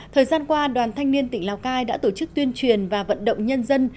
thời gian qua đoàn thanh niên tỉnh lào cai đã tổ chức tuyên truyền và vận động nhân dân